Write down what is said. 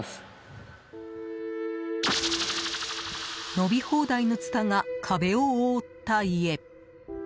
伸び放題のつたが壁を覆った家。